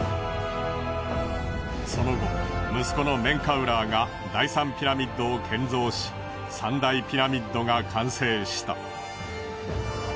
その後息子のメンカウラーが第３ピラミッドを建造し三大ピラミッドが完成した。